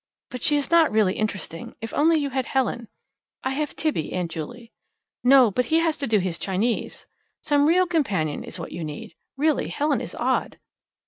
"But she is not really interesting. If only you had Helen." "I have Tibby, Aunt Juley." "No, but he has to do his Chinese. Some real companion is what you need. Really, Helen is odd."